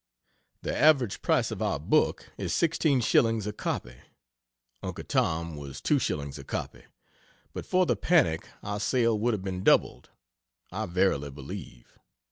The average price of our book is 16 shillings a copy Uncle Tom was 2 shillings a copy. But for the panic our sale would have been doubled, I verily believe.